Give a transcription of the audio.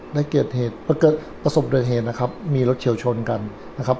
ได้เกลียดเหตุประเกิดประสบเดินเหตุนะครับมีรถเฉลชนกันนะครับ